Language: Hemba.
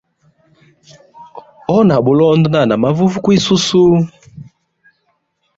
Honi a bulondo nda hana mavuvi kwisusu.